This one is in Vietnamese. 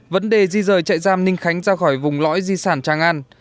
vấn đề di rời trại giam ninh khánh ra khỏi vùng lõi di sản trang an